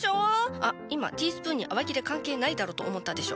あっ今ティースプーンに洗剤いらねえだろと思ったでしょ。